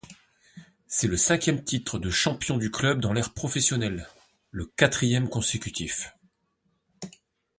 C’est le cinquième titre de champion du club dans l’ère professionnelle, le quatrième consécutif.